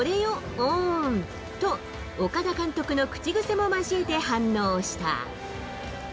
おーん、と、岡田監督の口癖も交えて反応した。